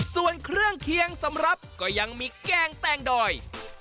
ส่วนเครื่องเคียงสำหรับก็ยังมีแกงแตงดอย